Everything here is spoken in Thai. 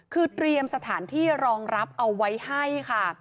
คือเตรียมสถานที่รองรับเอาไว้ให้ค่ะ